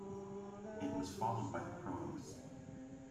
It was followed by the Provos.